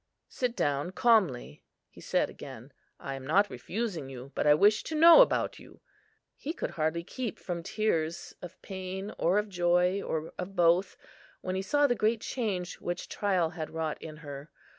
"Sit down calmly," he said again; "I am not refusing you, but I wish to know about you." He could hardly keep from tears, of pain, or of joy, or of both, when he saw the great change which trial had wrought in her.